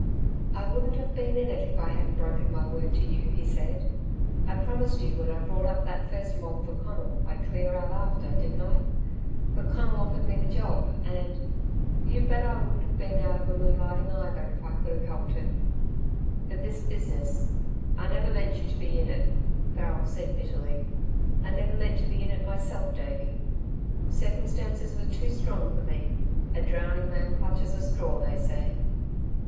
"I wouldn't have been in it, if I hadn't broken my word to you," he said. "I promised you when I brought up that first mob for Conal, I'd clear out after, didn't I? But Conal offered me the job, and you bet I wouldn't 've been out of a moonlighting either, if I could 've helped it." "But this business I never meant you to be in it," Farrel said bitterly. "I never meant to be in it myself, Davey. Circumstances were too strong for me. A drowning man clutches a straw, they say."